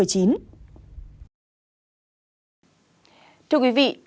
chào quý vị